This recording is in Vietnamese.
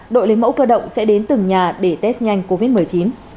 đội lấy mẫu cơ động sẽ đến từng nhà để test nhanh covid một mươi chín